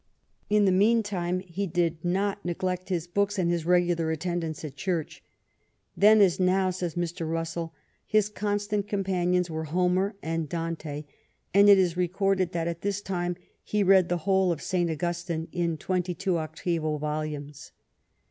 In the meantime he did not neglect his books and his regular attendance at church. " Then, as now," says Mr. Russell, "his constant companions were Homer and Dante, and it is recorded that at this time he read the whole of St. Augustine in twenty two octavo volumes."